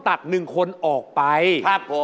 ถามพี่ปีเตอร์